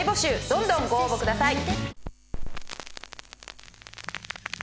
どんどんご応募ください。